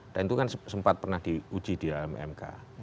dan itu kan sempat pernah diuji di alam mk